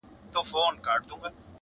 لار یې واخیسته د غره او د لاښونو!!